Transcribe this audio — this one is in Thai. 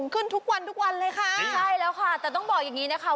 ขึ้นทุกวันทุกวันเลยค่ะใช่แล้วค่ะแต่ต้องบอกอย่างงี้นะคะ